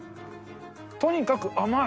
とにかく甘い。